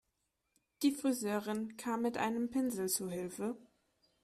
Die Friseurin kam mit einem Pinsel zu Hilfe.